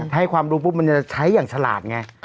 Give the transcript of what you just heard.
พ่อให้ความรู้พูดปุ๊บมันจะใช้อย่างฉลาดไงค่ะ